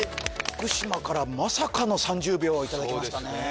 福島からまさかの３０秒をいただきましたね